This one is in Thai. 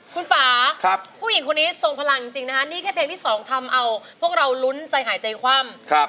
คุณป่าผู้หญิงคนนี้ทรงพลังจริงนะคะนี่แค่เพลงที่๒ทำเอาพวกเราลุ้นใจหายใจคว่ำ